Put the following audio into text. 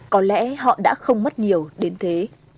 có lẽ họ đã không mất nhiều đến thế